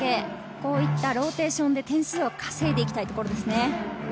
こういったローテーションで点数を稼いでいきたいところですね。